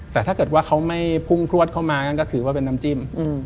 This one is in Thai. แต่ถ้าเกิดว่าเขาไม่พุ่งพลวดเข้ามานั่นก็ถือว่าเป็นน้ำจิ้ม